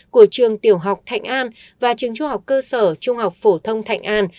của trường tiểu học thạnh an và trường trung học cơ sở trung học phổ thông thạnh an